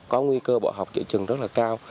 có nguy cơ bỏ học giữa trường rất là cao